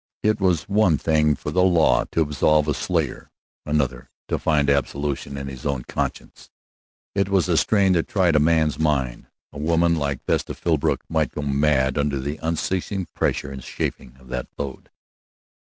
It was one thing for the law to absolve a slayer; another to find absolution in his own conscience. It was a strain that tried a man's mind. A woman like Vesta Philbrook might go mad under the unceasing pressure and chafing of that load.